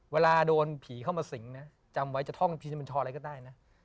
เวลาโดนผีเข้ามาสิงนะจำไว้จะท่องทีมันชออะไรก็ได้นะ